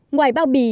ngoài bao bì